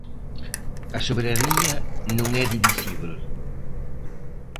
A soberanía non é divisíbel.